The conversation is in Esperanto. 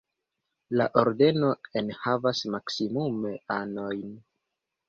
La Ordeno enhavas maksimume anojn.